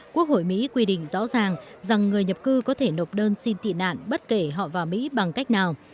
quốc hội mỹ quy định rõ ràng rằng người nhập cư có thể nộp đơn xin tị nạn bất kể họ vào mỹ bằng cách nào